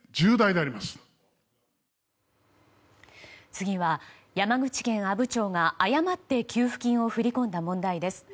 次は山口県阿武町が誤って給付金を振り込んだ問題です。